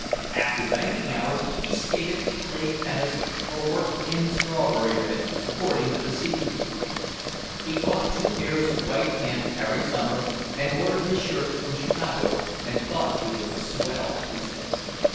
After banking hours he skated, played tennis, or worked in the strawberry bed, according to the season. He bought two pairs of white pants every summer and ordered his shirts from Chicago and thought he was a swell, he said.